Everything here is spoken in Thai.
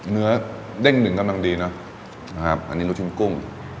นื้อเด้งหนึ่งกำลังดีนะอันนี้รู้ชิ้นกุ้ม